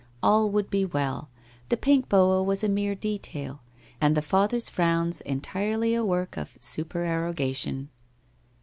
All would be well, the pink boa was a mere detail, and the father's frowns entirely a work of supererogation.